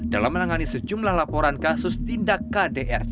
dalam menangani sejumlah laporan kasus tindak kdrt